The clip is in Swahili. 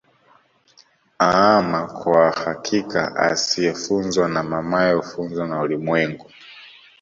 Aama kwa hakika asiyefunzwa na mamaye hufuzwa na ulimwengu